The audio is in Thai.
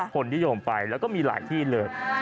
คนนิยมไปแล้วก็มีหลายที่เลย